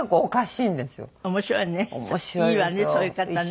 いいわねそういう方ね。